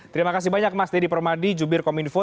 terima kasih banyak mas didi permadi jubir cominfo